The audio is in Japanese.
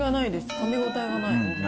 かみ応えがない。